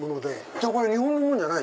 じゃあ日本のものじゃない？